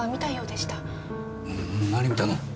何見たの？